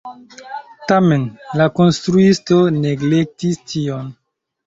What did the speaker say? Tamen la konstruisto neglektis tion.